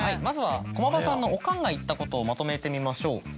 まずは駒場さんのおかんが言ったことをまとめてみましょう。